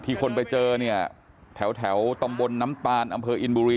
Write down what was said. คนไปเจอเนี่ยแถวตำบลน้ำตาลอำเภออินบุรี